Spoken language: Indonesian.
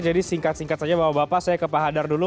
jadi singkat singkat saja bapak bapak saya ke pak hadar dulu